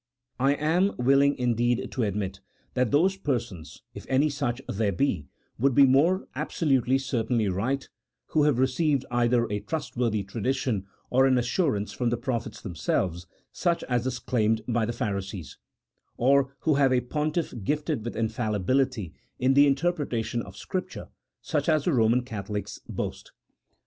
I am CHAP. VII.] OF THE INTERPRETATION OF SCRIPTURE. 10? willing indeed to admit that those persons (if any such there be) would be more absolutely certainly right, who* have received either a trustworthy tradition or an assurance from the prophets themselves, such as is claimed by the Pharisees ; or who have a pontiff gifted with inf allibility in the interpretation of Scripture, such as the Eoman Catholics boast.